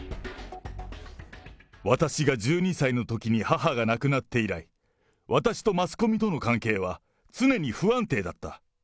私が１２歳のときに母が亡くなって以来、私とマスコミとの関係は、常に不安定だった。